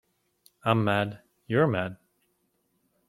I’m mad. You’re mad.